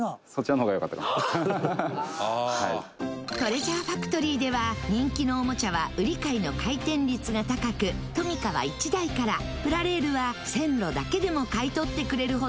トレジャーファクトリーでは人気のおもちゃは売り買いの回転率が高くトミカは１台からプラレールは線路だけでも買い取ってくれるほど大人気。